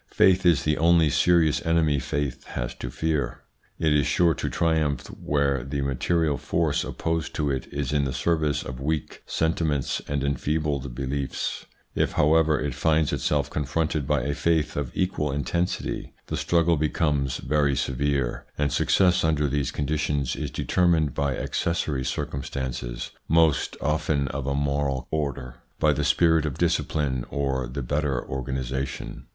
Faith is the only serious enemy faith has to fear. It is sure to triumph where the material force opposed to it is in the service of weak sentiments and enfeebled beliefs. If, however, it finds itself confronted by a faith of equal intensity, the struggle becomes very severe, and success under ITS INFLUENCE ON THEIR EVOLUTION 177 these conditions is determined by accessory circum stances, most often of a moral order, by the spirit of discipline or the better organisation.